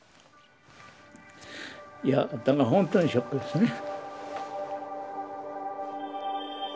いやだから本当にショックですね。